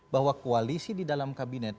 bahwa koalisi di dalam kabinet